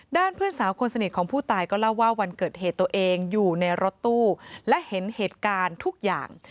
เพื่อนสาวคนสนิทของผู้ตายก็เล่าว่าวันเกิดเหตุตัวเองอยู่ในรถตู้และเห็นเหตุการณ์ทุกอย่าง